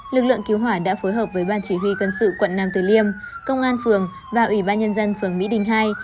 lực lượng cứu hỏa đã phối hợp với ban chỉ huy cân sự quận năm từ liêm công an phường và ủy ban nhân dân phường mỹ đình ii